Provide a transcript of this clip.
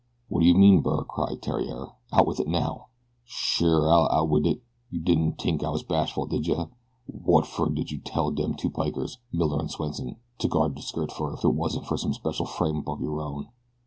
"What do you mean, Byrne?" cried Theriere. "Out with it now!" "Sure I'll out wid it. You didn't tink I was bashful didja? Wot fer did you detail dem two pikers, Miller and Swenson, to guard de skirt fer if it wasn't fer some special frame up of yer own?